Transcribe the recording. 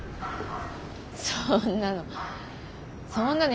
そんなの。